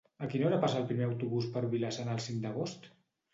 A quina hora passa el primer autobús per Vila-sana el cinc d'agost?